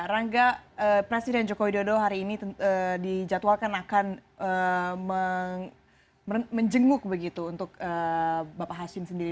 rangga presiden joko widodo hari ini dijadwalkan akan menjenguk begitu untuk bapak hashim sendiri